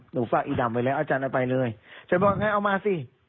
ฝากอีดำไว้แล้วอาจารย์เอาไปเลยฉันบอกให้เอามาสิ